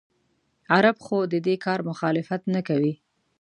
عرب خو د دې کار مخالفت نه کوي.